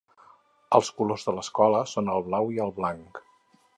Els colors de l'escola són el blau i el blanc.